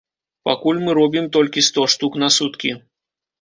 Пакуль мы робім толькі сто штук на суткі.